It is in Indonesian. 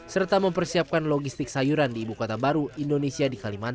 serta mempersiapkan logistik sayuran di ibu kota baru indonesia di kalimantan